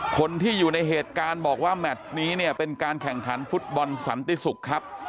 คนที่อยู่ในเหตุการณ์บอกว่าแมทนี้เนี่ยเป็นการแข่งขันฟุตบอลสันติศุกร์ครับ